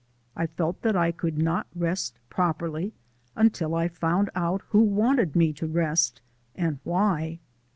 I felt that I could not rest properly until I found out who wanted me to rest, and why.